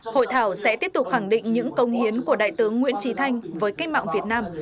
hội thảo sẽ tiếp tục khẳng định những công hiến của đại tướng nguyễn trí thanh với cách mạng việt nam